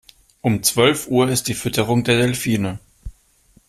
Um zwölf Uhr ist die Fütterung der Delfine.